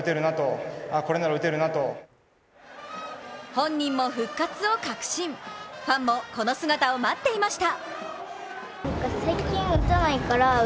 本人も復活を確信、ファンもこの姿を待っていました。